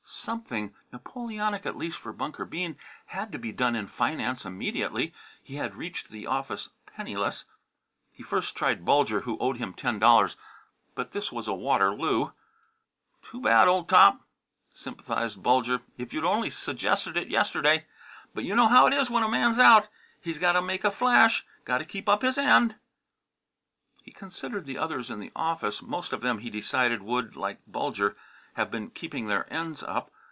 Something, Napoleonic at least for Bunker Bean, had to be done in finance immediately. He had reached the office penniless. He first tried Bulger, who owed him ten dollars. But this was a Waterloo. "Too bad, old top!" sympathized Bulger. "If you'd only sejested it yesterday. But you know how it is when a man's out; he's got to make a flash; got to keep up his end." He considered the others in the office. Most of them, he decided, would, like Bulger, have been keeping their ends up.